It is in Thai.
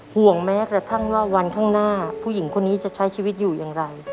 ห่วงแม้กระทั่งว่าวันข้างหน้าผู้หญิงคนนี้จะใช้ชีวิตอยู่อย่างไร